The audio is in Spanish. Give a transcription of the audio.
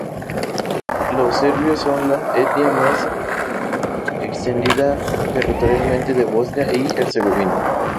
Los serbios son la etnia más extendida territorialmente de Bosnia y Herzegovina.